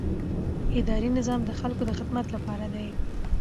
اداري نظام د خلکو د خدمت لپاره دی.